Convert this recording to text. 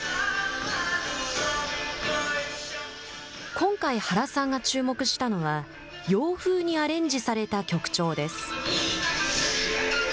今回、原さんが注目したのは洋風にアレンジされた曲調です。